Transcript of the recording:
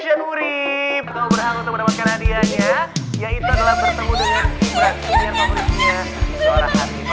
seorang artiman punya ya